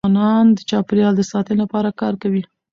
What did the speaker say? ځوانان د چاپېریال د ساتني لپاره کار کوي.